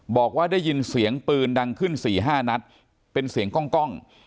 บอกว่าได้ยินเสียงปืนดังขึ้น๔๕นัดเป็นเสียงกล้อง